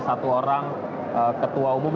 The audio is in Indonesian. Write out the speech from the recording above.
satu orang ketua umum